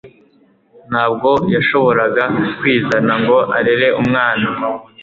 Ntabwo yashoboraga kwizana ngo arere umwana.